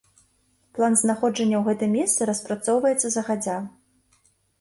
План знаходжання ў гэтым месцы распрацоўваецца загадзя.